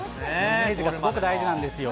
イメージがすごく大事なんですよ。